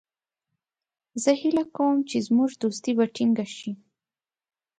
زه هیله کوم چې زموږ دوستي به ټینګه شي.